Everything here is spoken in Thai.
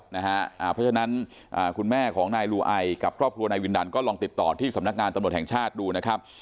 เพราะฉะนั้นคุณแม่ของนายลูไอกับครอบครัวนายวินดันก็ลองติดต่อที่สำนักงานตำรวจแห่งชาติดูนะครับ